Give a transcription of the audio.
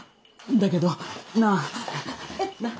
だけどなあなっ